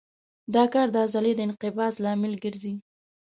دا کار د عضلې د انقباض لامل ګرځي.